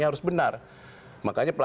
jawab pak jamal